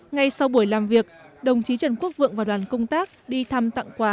ngay sau buổi làm việc đồng chí trần quốc vượng và đoàn công tác đi thăm tặng quà